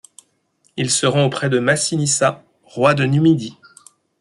Il se rend auprès de Massinissa, roi de Numidie.